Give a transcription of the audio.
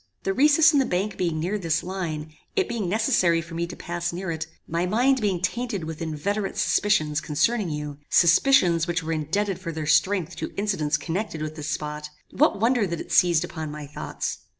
The recess in the bank being near this line, it being necessary for me to pass near it, my mind being tainted with inveterate suspicions concerning you; suspicions which were indebted for their strength to incidents connected with this spot; what wonder that it seized upon my thoughts!